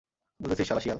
বুঝেছিস, শালা শিয়াল!